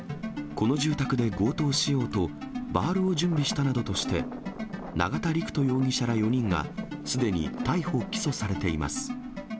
この住宅で強盗しようと、バールを準備したなどとして、永田陸人容疑者ら４人がすでに逮捕・起訴されています。